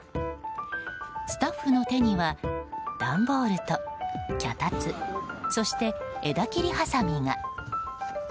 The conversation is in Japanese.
スタッフの手には段ボールと脚立そして枝切りはさみが。